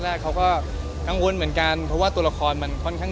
แล้วก็ผมได้เรียนรู้วิธีของวิชาอะไร